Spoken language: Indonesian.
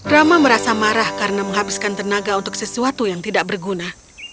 rama merasa marah karena menghabiskan tenaga untuk sesuatu yang tidak berguna